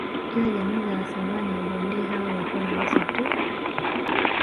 Ila jamii za wasambaa na wabondei hawa ilikuwa rahisi tu